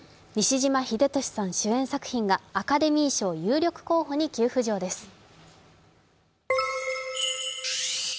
西島秀俊さん主演作品がアカデミー賞有力候補に急浮上です。